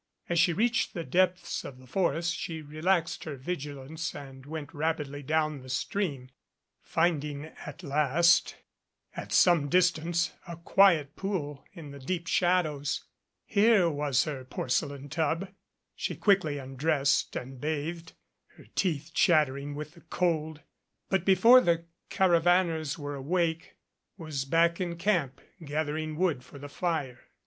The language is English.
As she reached the depths, of the forest she relaxed her vigilance and went rapidly down the stream, finding at last at some distance a quiet pool in the deep shadows. Here was her porcelain tub. She quickly undressed and bathed, her teeth chattering with the cold, but before the caravaners were awake was back in camp, gathering wood for the fire.